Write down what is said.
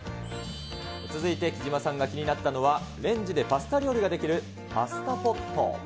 続いて貴島さんが気になったのは、レンジでパスタ料理ができるパスタポット。